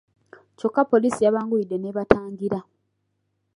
Kyokka poliisi yabanguyidde n'ebatangira.